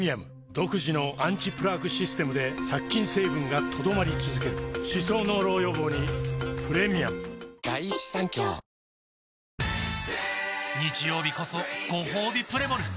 独自のアンチプラークシステムで殺菌成分が留まり続ける歯槽膿漏予防にプレミアム日曜日こそごほうびプレモル！